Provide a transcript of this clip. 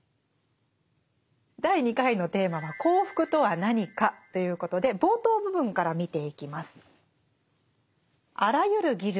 第２回のテーマは「幸福とは何か」ということで冒頭部分から見ていきます。